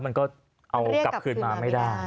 มันก็เอากลับคืนมาไม่ได้